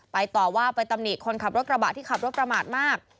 ต่อว่าไปตำหนิคนขับรถกระบะที่ขับรถประมาทมาก